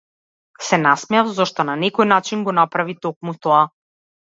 Се насмеав, зашто на некој начин го направи токму тоа.